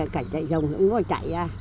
cảnh chạy dòng cũng phải chạy